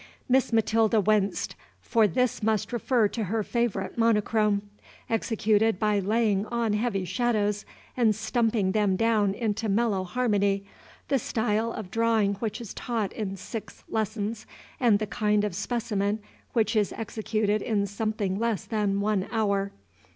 Miss Matilda winced; for this must refer to her favorite monochrome, executed by laying on heavy shadows and stumping them down into mellow harmony, the style of drawing which is taught in six lessons, and the kind of specimen which is executed in something less than one hour.